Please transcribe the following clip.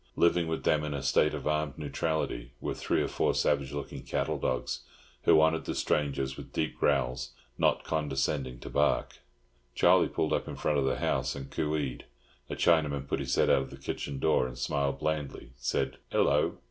Living with them, in a state of armed neutrality, were three or four savage looking cattle dogs, who honoured the strangers with deep growls, not condescending to bark. Charlie pulled up in front of the house, and cooeed. A Chinaman put his head out of the kitchen door, smiled blandly, said "'Ello!"